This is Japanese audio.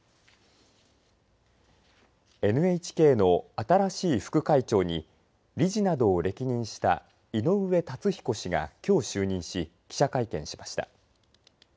ＮＨＫの新しい副会長に理事などを歴任した井上樹彦氏がきょう就任し記者会見しました。